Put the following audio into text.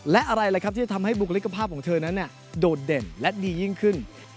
และอะไรล่ะครับที่จะทำให้บุคลิกภาพของเธอนั้นโดดเด่นและดียิ่งขึ้น